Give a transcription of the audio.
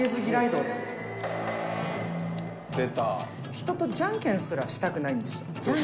人とじゃんけんすらしたくなどうして？